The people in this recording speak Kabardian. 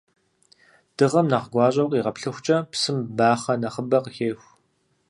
Дыгъэм нэхъ гуащӀэу къигъэплъыхукӀэ, псым бахъэ нэхъыбэ къыхеху.